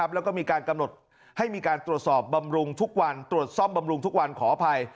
แล้วก็มีการกำหนดให้มีการตรวจสอบบำรุงทุกวันตรวจซ่อมบำรุงทุกวันขออภัย